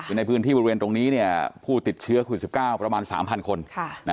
คือในพื้นที่บริเวณตรงนี้ผู้ติดเชื้อโควิด๑๙ประมาณ๓๐๐คน